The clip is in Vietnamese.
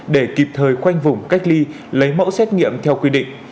để kịp thời khoanh vùng cách ly lấy mẫu xét nghiệm theo quy định